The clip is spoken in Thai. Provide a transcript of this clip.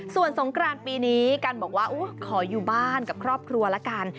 ส่วนสงกรานปีนี้กันบอกว่าขออยู่บ้านกับครอบครัวละกัน